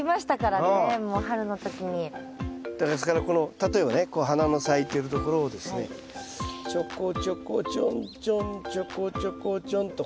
ですからこの例えばねこう花の咲いてるところをですねちょこちょこちょんちょんちょこちょこちょんと。